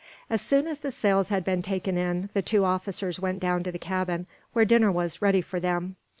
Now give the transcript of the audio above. As soon as the sails had been taken in, the two officers went down to the cabin, where dinner was ready for them.